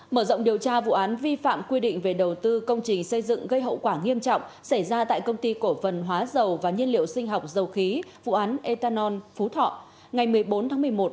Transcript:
mở rộng điều tra vụ án vi phạm quy định về đầu tư công trình xây dựng gây hậu quả nghiêm trọng xảy ra tại công ty cổ phần hóa dầu và nhiên liệu sinh học dầu khí vụ án ethanol phú thọ ngày một mươi bốn tháng một mươi một